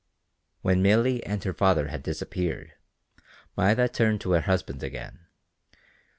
When Milly and her father had disappeared, Maida turned to her husband again.